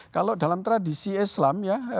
kalau dalam tradisi islam ya